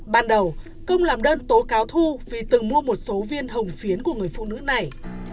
ban đầu công làm đơn tố cáo thu vì từng mua một số viên hồng phiến của người phụ nữ này